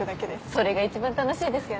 それが一番楽しいですよね。